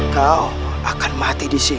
kau akan mati disini